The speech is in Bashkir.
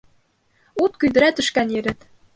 Ут көйҙөрә төшкән ерен